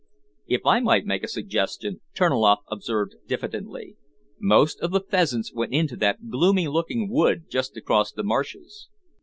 "If I might make a suggestion," Terniloff observed diffidently, "most of the pheasants went into that gloomy looking wood just across the marshes."